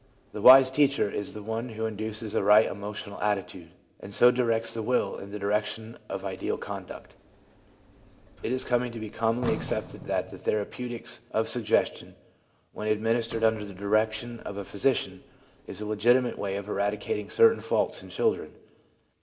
The wise teacher is the one who induces a right emotional attitude, and so directs the will in the direction of ideal conduct. It is coming to be com monly accepted that the therapeutics of suggestion, when administered under the direction of a physician, is a legitimate way of eradicating certain faults in children.